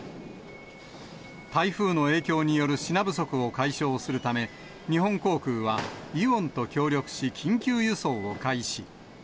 台風の影響による品不足を解消するため、日本航空は、イオンと協力し、緊急輸送を開始。